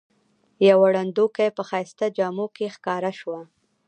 یوه ړندوکۍ په ښایسته جامو کې ښکاره شوه.